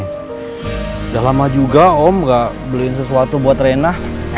udah lama juga om nggak beliin sesuatu buat rena